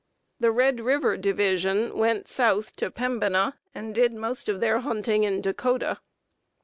The Red River division went south to Pembina, and did the most of their hunting in Dakota.